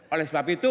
oleh sebab itu